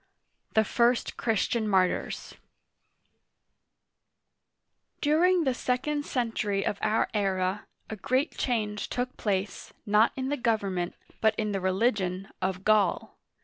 THE FIRST CHRISTIAN MARTYRS DURING the second century of our era, a great change took place, not in the government, but in the religion, of Gaul.